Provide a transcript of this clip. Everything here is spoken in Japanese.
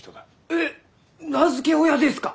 えっ名付け親ですか！？